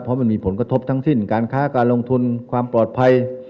เพราะมันมีผลกระทบทั้งสิ้นการค้าการลงทุนความปลอดภัย